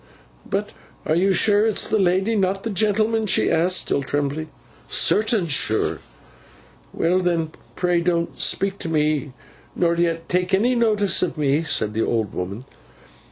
'But are you sure it's the lady, and not the gentleman?' she asked, still trembling. 'Certain sure!' 'Well then, pray don't speak to me, nor yet take any notice of me,' said the old woman.